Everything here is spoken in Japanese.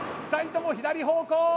２人とも左方向！